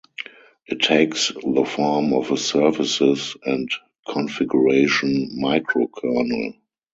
It takes the form of a services and configuration microkernel.